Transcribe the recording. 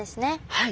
はい。